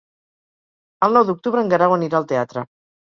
El nou d'octubre en Guerau anirà al teatre.